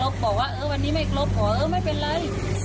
บอกว่าวันนี้ไม่ครบบอกว่าไม่เป็นไร